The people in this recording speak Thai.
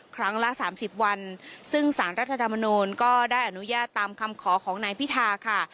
ครั้งละ๓๐วันซึ่งสารรัฐธรรมนูลก็ได้อนุญาตตามคำขอของนายพิธาค่ะ